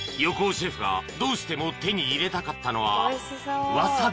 ［横尾シェフがどうしても手に入れたかったのは］